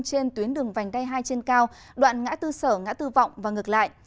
trên tuyến đường vành đai hai trên cao đoạn ngã tư sở ngã tư vọng và ngược lại